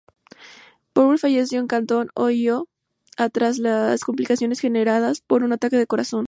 Powell falleció en Canton, Ohio, tras las complicaciones generadas por un ataque al corazón.